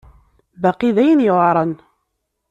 Baqi d ayen yuɛren.